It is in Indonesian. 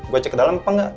gue cek ke dalam apa enggak